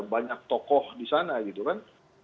banyak tokoh di sana gitu kan